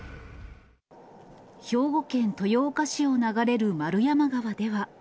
兵庫県豊岡市を流れる円山川では。